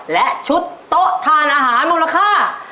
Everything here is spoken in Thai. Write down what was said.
และชุดโต๊ะทานอาหารมูลค่า